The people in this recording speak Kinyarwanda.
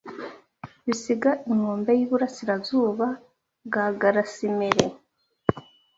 bisiga inkombe y’iburasirazuba bwa Garasimere